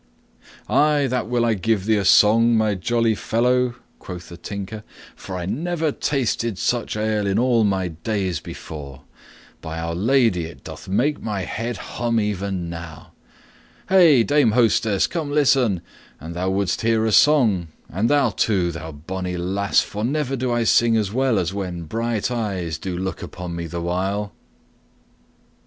"Ay, that will I give thee a song, my lovely fellow," quoth the Tinker, "for I never tasted such ale in all my days before. By Our Lady, it doth make my head hum even now! Hey, Dame Hostess, come listen, an thou wouldst hear a song, and thou too, thou bonny lass, for never sing I so well as when bright eyes do look upon me the while."